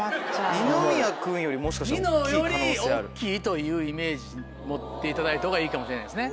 二宮君よりもしかしたら大っきい。というイメージ持っていただいたほうがいいかもしれないですね。